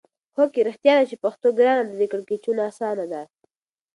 هو کې! رښتیا ده چې پښتو ګرانه ده کیړکیچو اسانه ده.